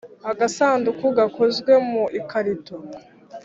agasanduku gakozwe mu ikarito.